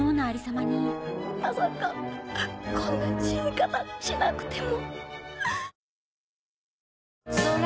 まさかこんな死に方しなくても。